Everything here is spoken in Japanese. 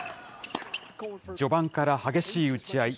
序盤から激しい打ち合い。